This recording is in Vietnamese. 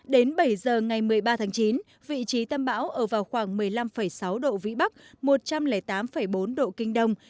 đến bảy giờ ngày một mươi ba tháng chín vị trí tâm bão ở vào khoảng một mươi năm sáu độ vĩ bắc một trăm linh tám bốn độ kinh đông